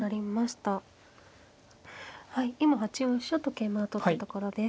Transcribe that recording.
今８四飛車と桂馬を取ったところです。